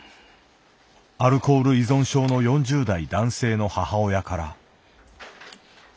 アルコール依存症の４０代男性の母親から。